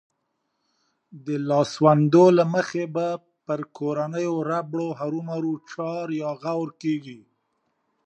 د لاسوندو له مخې به پر کورنيو ربړو هرومرو چار يا غور کېږي.